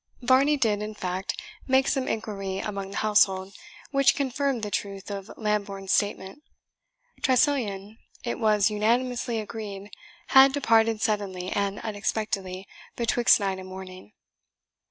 Varney did, in fact, make some inquiry among the household, which confirmed the truth of Lambourne's statement. Tressilian, it was unanimously agreed, had departed suddenly and unexpectedly, betwixt night and morning.